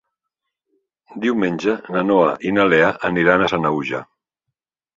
Diumenge na Noa i na Lea aniran a Sanaüja.